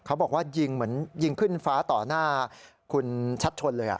เขาบอกว่ายิงเหมือนยิงขึ้นฟ้าต่อหน้าคุณชัดชนเลย